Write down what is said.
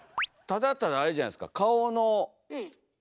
ただただあれじゃないですか？